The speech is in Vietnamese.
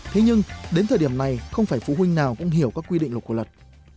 thế nhưng đến thời điểm này không phải phụ huynh nào cũng hiểu các quy định luật của luật